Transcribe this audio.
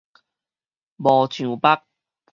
無上目